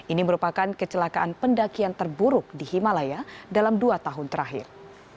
ini merupakan kecelakaan pendakian terburuk di himalaya dalam dua tahun terakhir